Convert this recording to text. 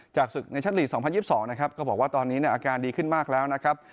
ศึกในชั้นลีก๒๐๒๒นะครับก็บอกว่าตอนนี้อาการดีขึ้นมากแล้วนะครับ